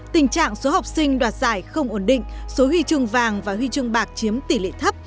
tình trạng số học sinh đoạt giải không ổn định số huy chương vàng và huy chương bạc chiếm tỷ lệ thấp